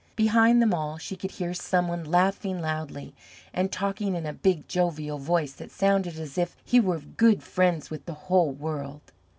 Behind them all, she could hear some one laughing loudly, and talking in a big, jovial voice that sounded as if he were good friends with the whole world.